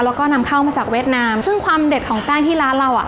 แล้วก็นำเข้ามาจากเวียดนามซึ่งความเด็ดของแป้งที่ร้านเราอ่ะ